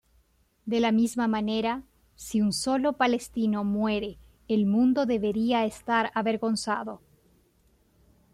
De la misma manera, si un solo palestino muere, el mundo debería estar avergonzado.